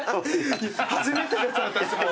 初めてです私も。